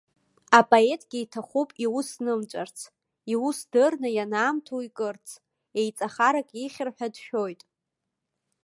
Апоетгьы иҭахуп иус нымҵәарц, иус дырны ианаамҭоу икырц, еиҵахарак ихьыр ҳәа дшәоит.